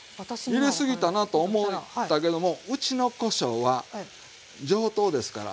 入れすぎたなと思ったけどもうちのこしょうは上等ですから。